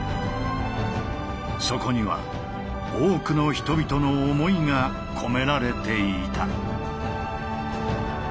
そこには多くの人々の思いが込められていた。